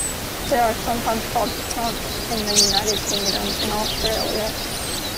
They are sometimes called "trunks" in the United Kingdom and Australia.